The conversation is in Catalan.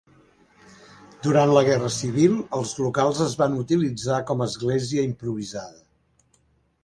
Durant la guerra civil els locals es van utilitzar com a església improvisada.